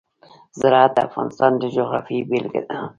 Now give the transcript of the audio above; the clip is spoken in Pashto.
زراعت د افغانستان د جغرافیې بېلګه ده.